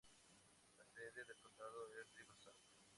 La sede del condado es Riverside.